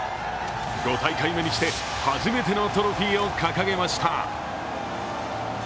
５大会目にして初めてのトロフィーを掲げました。